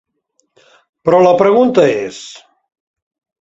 Però la pregunta és: